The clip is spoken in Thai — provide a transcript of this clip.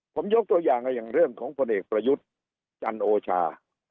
ผมยกตัวอย่างอย่างเรื่องของพลเอกประยุทธ์จันโอชา